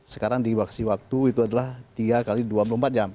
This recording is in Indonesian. sekarang di waktu itu adalah tiga x dua puluh empat jam